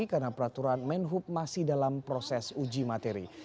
karena peraturan main hub masih dalam proses uji materi